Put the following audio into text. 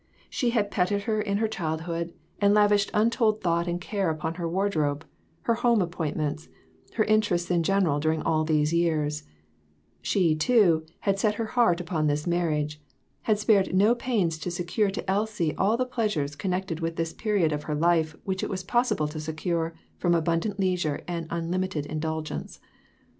She had petted her in her 364 COMPLICATIONS. childhood, and lavished untold thought and care upon her wardrobe, her home appointments, her interests in general during all these years ; she, too, had set her heart upon this marriage ; had spared no pains to secure to Elsie all the pleas ures connected with this period of her life which it was possible to secure from abundant leisure and unlimited indulgence.